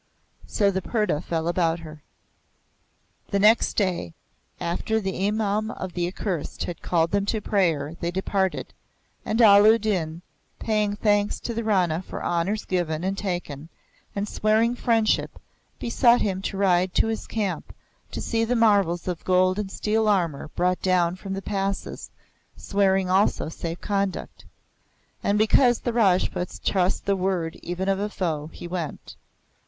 So the purdah fell about her. The next day, after the Imaum of the Accursed had called them to prayer, they departed, and Allah u Din, paying thanks to the Rana for honours given and taken, and swearing friendship, besought him to ride to his camp, to see the marvels of gold and steel armor brought down from the passes, swearing also safe conduct. And because the Rajputs trust the word even of a foe, he went.